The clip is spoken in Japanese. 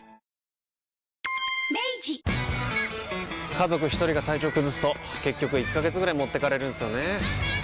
家族一人が体調崩すと結局１ヶ月ぐらい持ってかれるんすよねー。